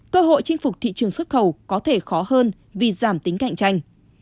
cơ hội chinh phục thị trường xuất khẩu có thể khó hơn vì giảm tính cạnh tranh